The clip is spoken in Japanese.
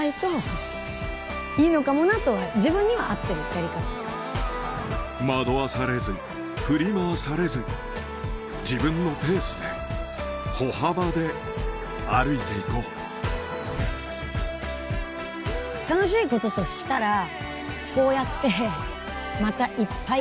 例えば。惑わされず振り回されず自分のペースで歩幅で歩いていこう楽しいこととしたらこうやって。